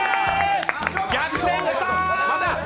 逆転した！